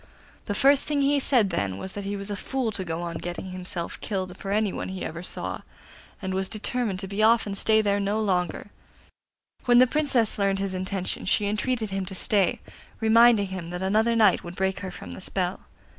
The first thing he said then was that he was a fool to go on getting himself killed for anyone he ever saw, and was determined to be off and stay there no longer, When the Princess learned his intention she entreated him to stay, reminding him that another night would free her from the spell.